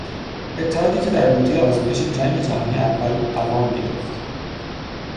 اتحادی که در بوتهی آزمایش جنگ جهانی اول قوام گرفت